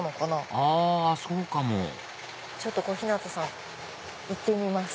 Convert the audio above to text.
あそうかもちょっと小日向さん行ってみます。